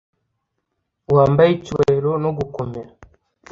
Wambaye icyubahiro nogukomera